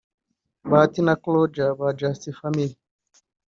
Bahati na Croidja ba Just Family